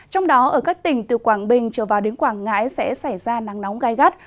trong đó ở các tỉnh từ quảng bình trở vào đến quảng ngãi sẽ xảy ra nắng nóng gai gắt